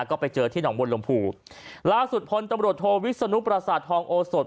ก็ไปเจอที่หนองบนลมภูล่าสุดพลตำรวจโทวิศนุปราสาททองโอสด